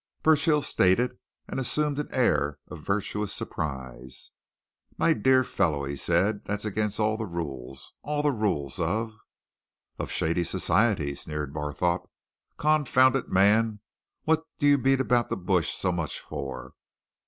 Burchill stated and assumed an air of virtuous surprise. "My dear fellow!" he said. "That's against all the rules all the rules of " "Of shady society," sneered Barthorpe. "Confound it, man, what do you beat about the bush so much for?